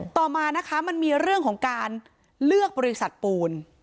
ต่อมานะคะมันมีเรื่องของการเลือกบริษัทปูน